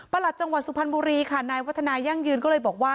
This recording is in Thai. หลัดจังหวัดสุพรรณบุรีค่ะนายวัฒนายั่งยืนก็เลยบอกว่า